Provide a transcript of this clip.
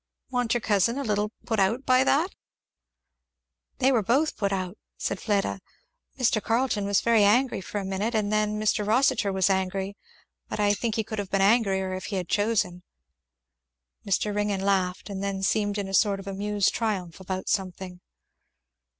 "Wa'n't your cousin a little put out by that?" "They were both put out," said Fleda, "Mr. Carleton was very angry for a minute, and then Mr. Rossitur was angry, but I think he could have been angrier if he had chosen." Mr. Ringgan laughed, and then seemed in a sort of amused triumph about something.